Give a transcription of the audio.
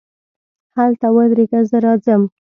هلته ودرېږه، زه راځم.